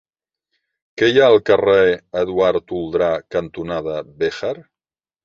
Què hi ha al carrer Eduard Toldrà cantonada Béjar?